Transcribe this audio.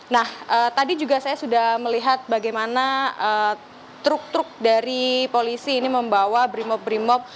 nah tadi juga saya sudah melihat bagaimana truk truk dari polisi ini membawa brimob brimob